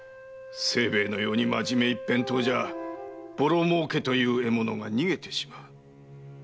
清兵衛のようにまじめ一辺倒じゃあボロ儲けという獲物が逃げてしまう。